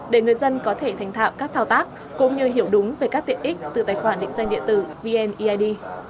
để người dân có thể thành thạo các thao tác cũng như hiểu đúng về các tiện ích từ tài khoản định danh điện tử vneid